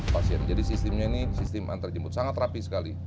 pasien jadi sistemnya ini sistem antarjemput sangat rapi sekali